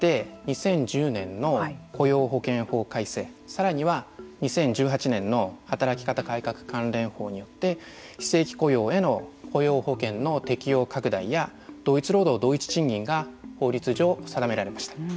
更には２０１８年の働き方改革関連法によって非正規雇用への雇用保険の適用拡大や同一労働同一賃金が法律上定められました。